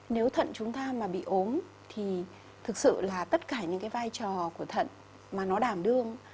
nếu thận chúng ta mà bị ốm thì thực sự là tất cả những cái vai trò của thận mà nó đảm đương